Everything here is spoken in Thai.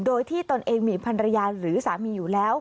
โดยที่ตนเองมีพันรยาหรือสามีอยู่แล้ว